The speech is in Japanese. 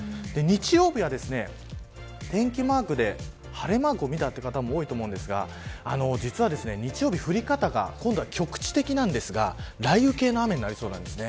日曜日は、天気マークで晴れマークを見たという方もいると思いますが日曜日、降り方が局地的なんですが雷雨系の雨になりそうです。